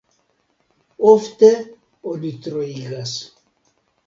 Ofte oni troigas.